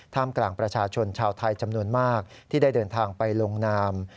กลางประชาชนชาวไทยจำนวนมากที่ได้เดินทางไปลงนาม